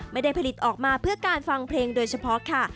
ไม่ได้ผลิตออกมาเพื่อการฟังเพลงโดยเฉพาะค่ะ